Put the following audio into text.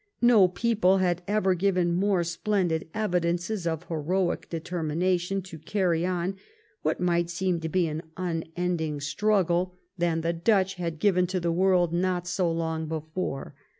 No people had ever given more splendid evidences of heroic de 347 THE REIGN OF QUEEN ANNE tennination to carry on what might seem to be an un ending struggle than the Dutch had given to the world not so long before.